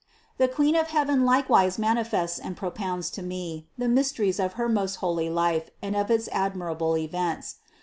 The Queen of heaven likewise manifests and propounds to me the mysteries of her most holy life and of its admirable events.